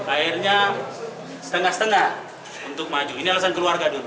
akhirnya setengah setengah untuk maju ini alasan keluarga dulu